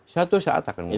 satu saat akan mungkin